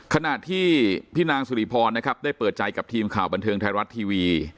ขณะที่พี่นางสุริพรนะครับได้เปิดใจกับทีมข่าวบันเทิงไทยรัฐทีวี